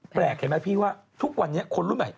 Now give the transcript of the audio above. แปลกเห็นไหมพี่ว่าทุกวันนี้คนรุ่นใหม่